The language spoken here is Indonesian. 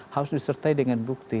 harus disertai dengan bukti